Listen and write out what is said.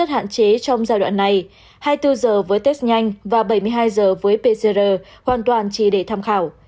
trong giai đoạn này hai mươi bốn giờ với test nhanh và bảy mươi hai giờ với pcr hoàn toàn chỉ để tham khảo